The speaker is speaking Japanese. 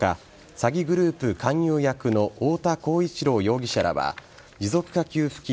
詐欺グループ勧誘役の太田浩一朗容疑者らは持続化給付金